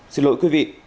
xin lỗi quý vị